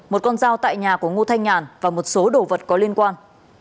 một con dao tại nhà của ngô thanh nhàn và một số đồ vật có liên quan